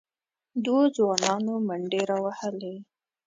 دوو ځوانانو منډې راوهلې،